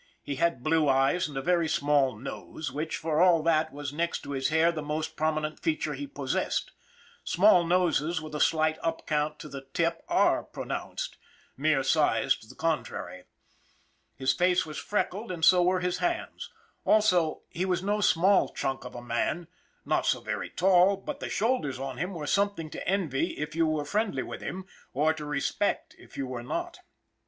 He had blue eyes, and a very small nose which, for all that, was, next to his hair, the most prominent feature he possessed small noses with a slight up cant to the tip are pronounced, mere size to the contrary. His face was freckled and so were his hands; also, he was no small chunk of a man, not so very tall, but the shoulders on him were something to envy if you were friendly with him, or to respect if you were not.